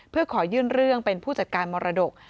เพื่อขอยื่นเรื่องเป็นผู้จัดการมรดก